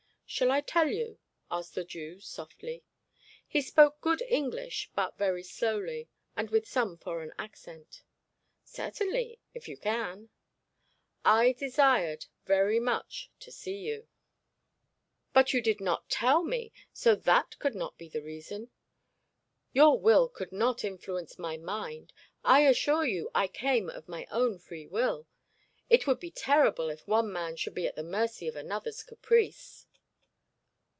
'Shall I tell you?' asked the Jew softly. He spoke good English, but very slowly, and with some foreign accent. 'Certainly, if you can.' 'I desired very much to see you.' 'But you did not tell me, so that could not be the reason. Your will could not influence my mind. I assure you I came of my own free will; it would be terrible if one man should be at the mercy of another's caprice.'